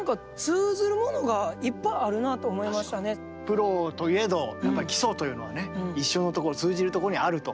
プロといえどやっぱり基礎というのはね一緒のところ通じるところにあると。